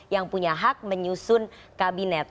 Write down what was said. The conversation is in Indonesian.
yang punya hak menyusun kabinet